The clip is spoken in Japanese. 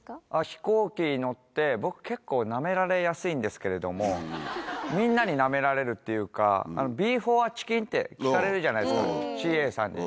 飛行機乗って、僕、結構、なめられやすいんですけれども、みんなになめられるっていうか、ビーフ・オア・チキンって聞かれるじゃないですか、ＣＡさんに。